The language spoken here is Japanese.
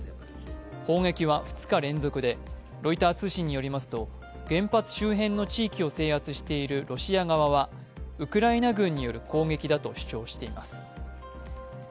砲撃は２日連続で、ロイター通信によりますと原発周辺の地域を制圧しているロシア側はウクライナ軍による攻撃だと主張しています。